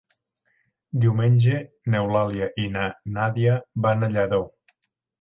Diumenge n'Eulàlia i na Nàdia van a Lladó.